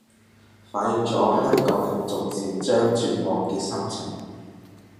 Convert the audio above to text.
反映咗香港人逐漸將絕望嘅心情